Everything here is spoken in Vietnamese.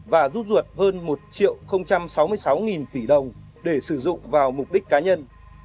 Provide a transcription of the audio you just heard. và rút ruột hơn một sáu mươi sáu tỷ đồng để sử dụng vào mục đích cá nhân